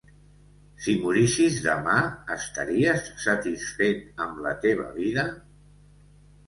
Si morissis demà estaries satisfet amb la teva vida?